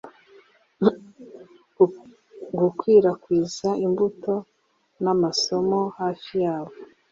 Gukwirakwiza imbuto n'amasomo hafi yabo